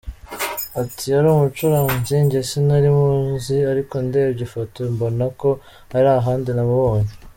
Ati “Yari umucuranzi, njye sinari muzi ariko ndebye ifoto mbona ko hari ahandi namubonye.